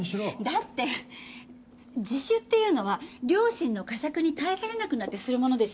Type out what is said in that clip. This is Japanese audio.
だって自首っていうのは良心の呵責に耐えきれなくなってするものですよね？